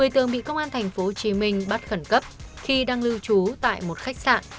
một mươi tường bị công an tp hcm bắt khẩn cấp khi đang lưu trú tại một khách sạn